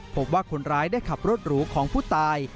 พบว่าคนร้ายได้ขับรถหรูของผู้ตาย